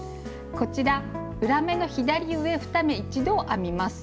こちら「裏目の左上２目一度」を編みます。